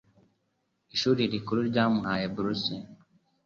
Ishuri rikuru ryamuhaye buruse.